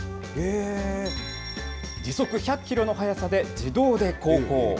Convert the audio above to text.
時速１００キロの速さで自動で航行。